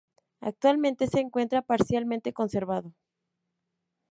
Actualmente se encuentra parcialmente conservado.